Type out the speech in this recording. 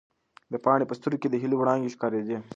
د پاڼې په سترګو کې د هیلو وړانګې ښکارېدې.